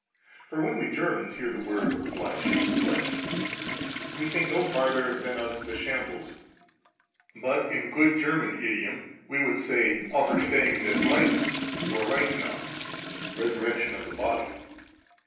For when we Germans hear the word Fleisch (flesh), we think no farther than of the shambles. But in good German idiom we would say Auferstehung des Leibes, or Leichnams (resurrection of the body).